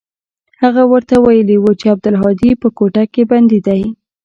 هغه ورته ويلي و چې عبدالهادي په کوټه کښې بندي دى.